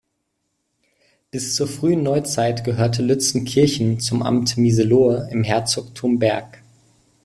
Bis zur frühen Neuzeit gehörte Lützenkirchen zum Amt Miselohe im Herzogtum Berg.